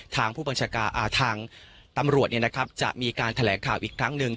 ทางตำรวจจะมีการแถลงข่าวอีกครั้งหนึ่ง